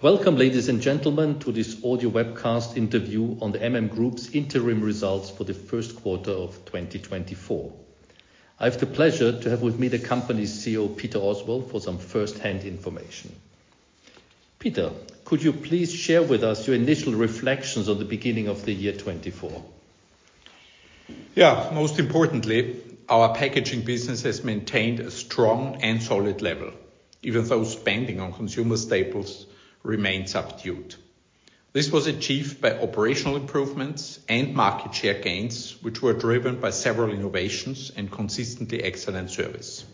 Welcome, ladies and gentlemen, to this audio webcast interview on the Group's interim results for the first quarter of 2024. I have the pleasure to have with me the company's CEO, Peter Oswald, for some first-hand information. Peter, could you please share with us your initial reflections on the beginning of the year 2024? Yeah, most importantly, our packaging business has maintained a strong and solid level, even though spending on consumer staples remains subdued. This was achieved by operational improvements and market share gains, which were driven by several innovations and consistently excellent service.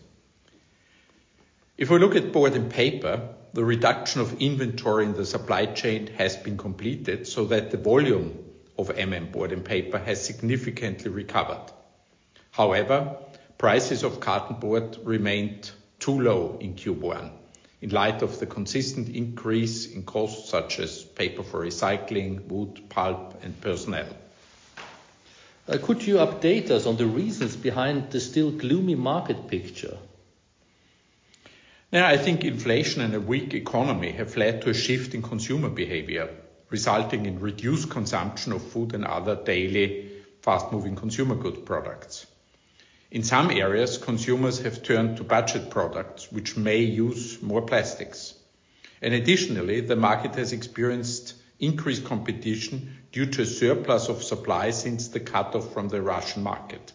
If we look at Board & Paper, the reduction of inventory in the supply chain has been completed so that the volume of Board & paper has significantly recovered. However, prices of cartonboard remained too low in Q1 in light of the consistent increase in costs such as paper for recycling, wood, pulp, and personnel. Could you update us on the reasons behind the still gloomy market picture? Yeah, I think inflation and a weak economy have led to a shift in consumer behavior, resulting in reduced consumption of food and other daily, fast-moving consumer goods products. In some areas, consumers have turned to budget products, which may use more plastics. And additionally, the market has experienced increased competition due to a surplus of supply since the cutoff from the Russian market.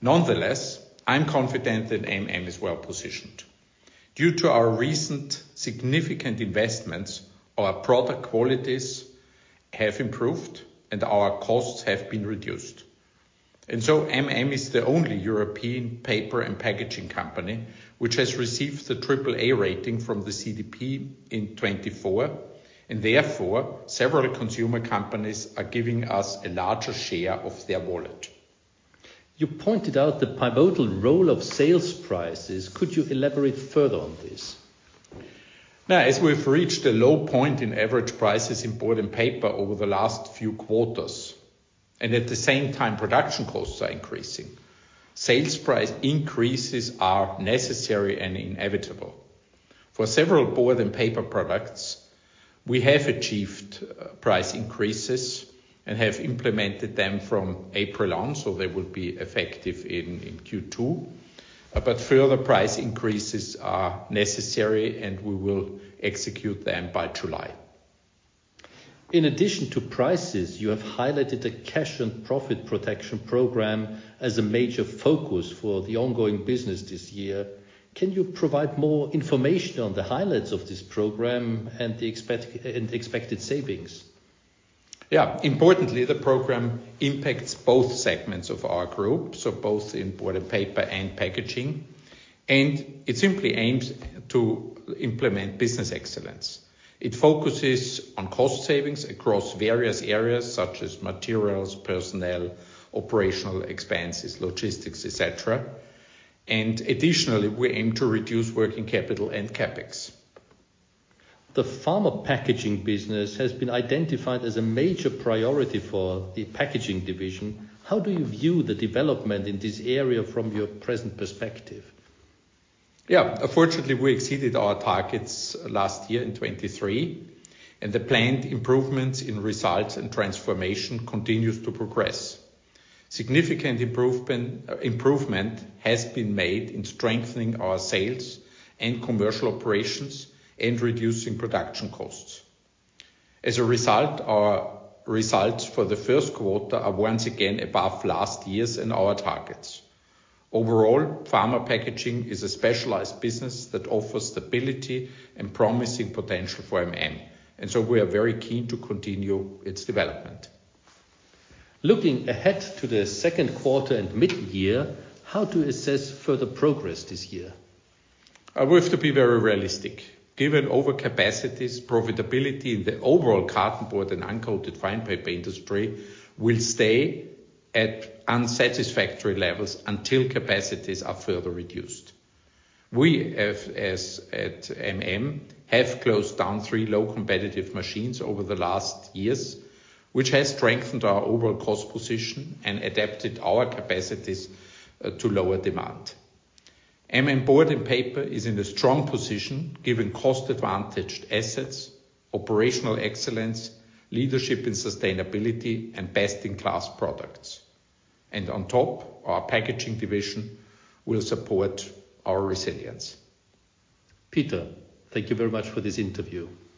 Nonetheless, I'm confident that MM is well positioned. Due to our recent significant investments, our product qualities have improved, and our costs have been reduced. And so MM is the only European paper and packaging company which has received the AAA rating from the CDP in 2024, and therefore several consumer companies are giving us a larger share of their wallet. You pointed out the pivotal role of sales prices. Could you elaborate further on this? Now, as we've reached a low point in average prices in board and paper over the last few quarters, and at the same time production costs are increasing, sales price increases are necessary and inevitable. For several board and paper products, we have achieved price increases and have implemented them from April on, so they will be effective in Q2. But further price increases are necessary, and we will execute them by July. In addition to prices, you have highlighted the cash and profit protection program as a major focus for the ongoing business this year. Can you provide more information on the highlights of this program and the expected savings? Yeah, importantly, the program impacts both segments of our group, so both in board and paper and packaging. It simply aims to implement business excellence. It focuses on cost savings across various areas such as materials, personnel, operational expenses, logistics, etc. Additionally, we aim to reduce working capital and CAPEX. The pharma packaging business has been identified as a major priority for the packaging division. How do you view the development in this area from your present perspective? Yeah, unfortunately, we exceeded our targets last year in 2023, and the planned improvements in results and transformation continue to progress. Significant improvement has been made in strengthening our sales and commercial operations and reducing production costs. As a result, our results for the first quarter are once again above last year's and our targets. Overall, pharma packaging is a specialized business that offers stability and promising potential for and so we are very keen to continue its development. Looking ahead to the second quarter and mid-year, how do you assess further progress this year? We have to be very realistic. Given overcapacities, profitability in the overall carton board and uncoated fine paper industry will stay at unsatisfactory levels until capacities are further reduced. We at MM have closed down three low-competitive machines over the last years, which has strengthened our overall cost position and adapted our capacities to lower demand. MM Board and Paper is in a strong position given cost-advantaged assets, operational excellence, leadership in sustainability, and best-in-class products. On top, our packaging division will support our resilience. Peter, thank you very much for this interview.